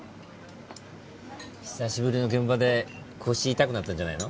久しぶりの現場で腰痛くなったんじゃないの？